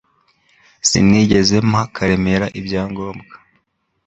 Sinigeze mpa Karemera ibyangombwa